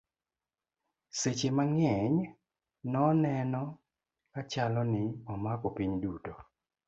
sechhe mang'eny noneno kachalo ni omako piny duto